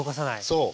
そう。